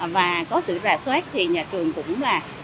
và có sự rà soát thì nhà trường cũng là